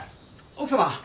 奥様。